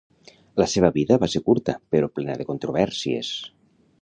La seva vida va ser curta però plena de controvèrsies.